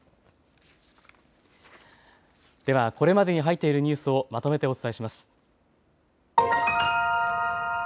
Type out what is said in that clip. では、これまでに入っているニュースをまとめてお伝えします。